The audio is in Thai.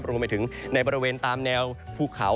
รวมไปถึงในบริเวณตามแนวภูเขา